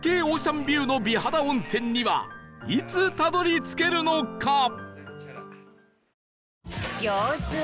オーシャンビューの美肌温泉にはいつたどり着けるのか？